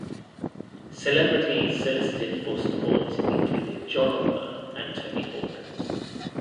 Celebrities solicited for support included John Oliver and Tony Hawk.